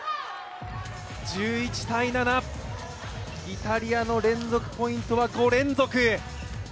イタリアの連続ポイントは５連続。